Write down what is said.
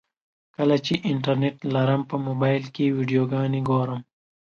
کله چې انټرنټ لرم په موبایل کې ویډیوګانې ګورم.